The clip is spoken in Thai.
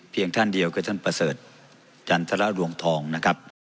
ท่านเดียวคือท่านประเสริฐจันทรรวงทองนะครับ